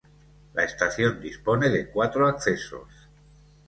La estación dispone de cuatro accesos